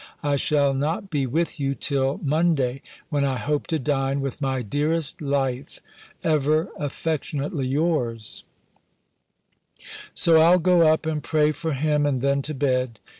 I shall not be with you till Monday, when I hope to dine with my dearest life. Ever affectionately yours." So I'll go up and pray for him, and then to bed.